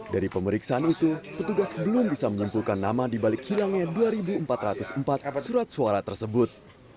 dari pemeriksaan itu petugas belum bisa mengumpulkan nama dibalik hilangnya dua empat ratus empat surat suara tersebut